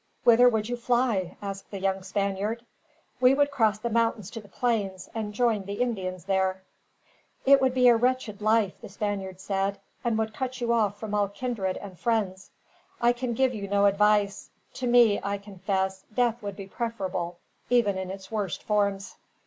"Whither would you fly?" asked the young Spaniard. "We would cross the mountains to the plains, and join the Indians there." "It would be a wretched life," the Spaniard said, "and would cut you off from all kindred, and friends. I can give you no advice. To me, I confess, death would be preferable, even in its worst forms.